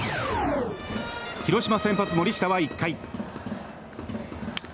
広島先発、森下は１回。